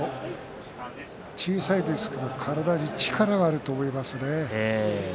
小さいですが体に力があると思います。